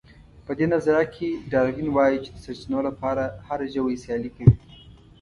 په دې نظريه کې داروېن وايي چې د سرچينو لپاره هر ژوی سيالي کوي.